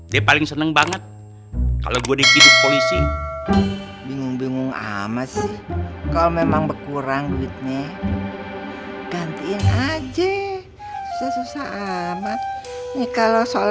bingung bingung amat sih kau memang berkurang duitnya gantiin aja susah amat nih kalau soal